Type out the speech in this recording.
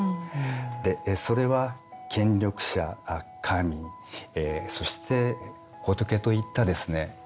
それは権力者神そして仏といったですね